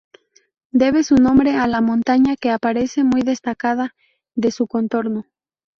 Debe su nombre a la montaña que aparece muy destacada de su contorno.